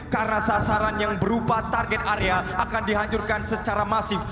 karena sasaran yang berupa target area akan dihancurkan secara masif